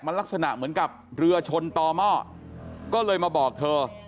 มันลักษณะเหมือนกับเรือชนต่อหม้อก็เลยมาบอกเธอ